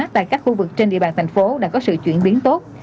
tại các khu vực trên địa bàn thành phố đã có sự chuyển biến tốt